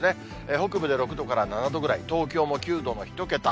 北部で６度から７度ぐらい、東京も９度の１桁。